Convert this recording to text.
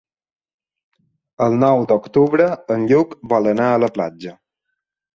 El nou d'octubre en Lluc vol anar a la platja.